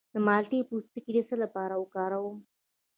د مالټې پوستکی د څه لپاره وکاروم؟